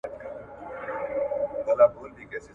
حکومت بايد د فقر ريښې وباسي.